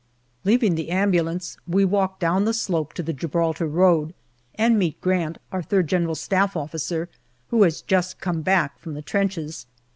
Leaving the ambulance, we walk down the slope to the Gibraltar road and meet Grant, our G.S.O.3, who has just come back from the trenches.